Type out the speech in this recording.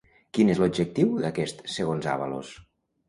Quin és l'objectiu d'aquest segons Ábalos?